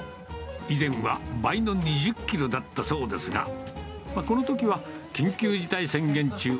以前は倍の２０キロだったそうですが、このときは、緊急事態宣言中。